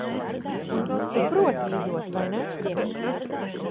Tu proti lidot, vai ne?